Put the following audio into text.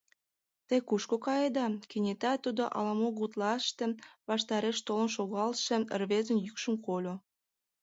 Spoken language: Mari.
— Те кушко каеда? — кенета тудо ала-мо гутлаште ваштареш толын шогалше рвезын йӱкшым кольо.